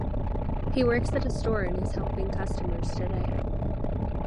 He works at a store and is helping customers today.